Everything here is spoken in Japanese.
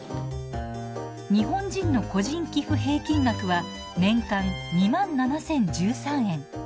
日本人の個人寄付平均額は年間２７，０１３円。